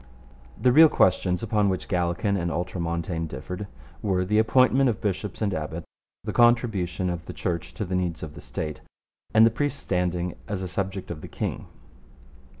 The real questions upon which Gallican and Ultramontane differed were the appointment of bishops and abbots, the contribution of the Church to the needs of the State, and the priest's standing as a subject of the king.